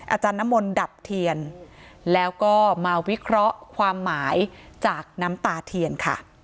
อาจารย์น้ำมนต์ดับเทียนแล้วก็มาวิเคราะห์ความหมายจากน้ำตาเทียนค่ะ